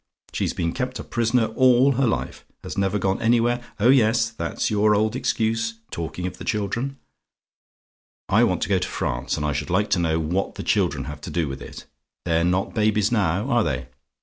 She's been kept a prisoner all her life has never gone anywhere oh yes! that's your old excuse, talking of the children. I want to go to France, and I should like to know what the children have to do with it? They're not babies NOW are they?